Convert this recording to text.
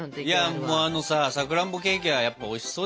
あのささくらんぼケーキがやっぱおいしそうですね。